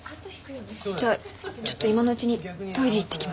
じゃあちょっと今のうちにトイレ行ってきます。